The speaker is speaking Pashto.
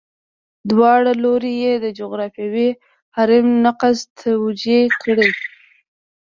دواړه لوري یې د جغرافیوي حریم نقض توجیه کړي.